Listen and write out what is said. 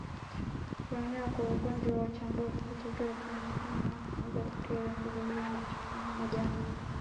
Kuenea kwa ugonjwa wa chambavu hutokea kwa mnyama kumeza bakteria anayesababisha ugonjwa kwenye majani